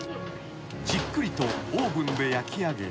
［じっくりとオーブンで焼きあげ］